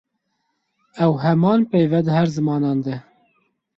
Ew heman peyv e di her zimanan de.